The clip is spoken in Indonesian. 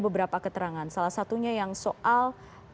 beberapa keterangan salah satunya yang soal